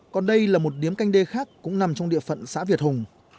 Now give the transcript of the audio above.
còn đây là một điếm canh đê khác cũng nằm trong địa phận xã việt hùng